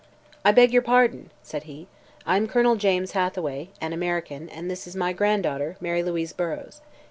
"I beg your pardon," said he. "I am Colonel James Hathaway, an American, and this is my granddaughter, Mary Louise Burrows.